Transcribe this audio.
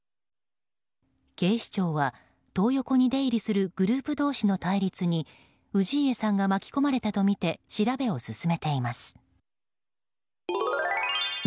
警視庁はトー横に出入りするグループ同士の対立に氏家さんが巻き込まれたとみて調べを進めています。